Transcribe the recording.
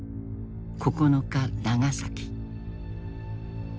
９日長崎。